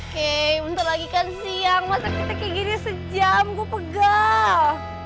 hei bentar lagi kan siang masa kita kayak gini sejam gue pegah